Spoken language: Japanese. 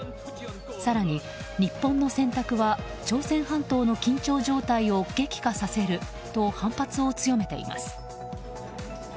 更に、日本の選択は朝鮮半島の緊張状態を激化させると反発を強めています。